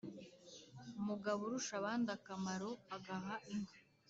mugaburushabandakamaro agaha inka